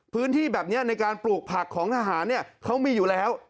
พื้นที่แบบนี้ในการปลูกผักของทหารเขามีอยู่แล้ว